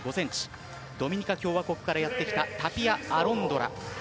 ドミニカ共和国からやってきたタピア・アロンドラ。